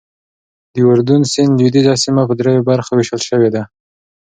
د اردن سیند لوېدیځه سیمه په دریو برخو ویشل شوې ده.